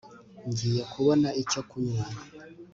ngiye kubona icyo kunywa